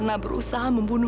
non itu ada apa non